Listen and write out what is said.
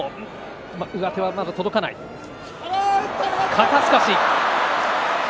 肩すかし。